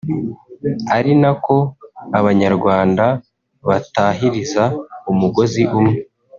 ari na ko abanyarwanda batahiriza umugozi umwe